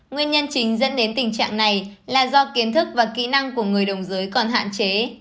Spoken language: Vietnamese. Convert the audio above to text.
nguyên nhân chính dẫn đến tình trạng này là do kiến thức và kỹ năng của người đồng giới còn hạn chế